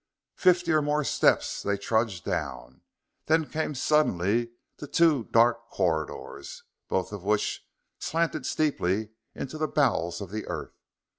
Fifty or more steps they trudged down, then came suddenly to two dark corridors, both of which slanted steeply into the bowels of the earth.